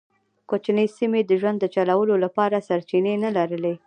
کوچنۍ سیمې د ژوند د چلولو لپاره سرچینې نه لرلې.